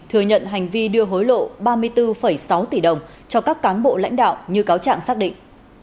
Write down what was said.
thừa nhận hành vi đưa hối lộ ba mươi bốn sáu tỷ đồng cho các cán bộ lãnh đạo như cáo trạng xác định